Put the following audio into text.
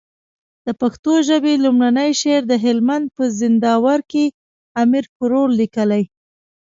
د پښتو ژبي لومړنی شعر د هلمند په زينداور کي امير کروړ ليکلی